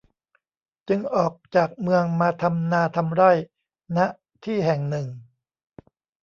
จึงออกจากเมืองมาทำนาทำไร่ ณ ที่แห่งหนึ่ง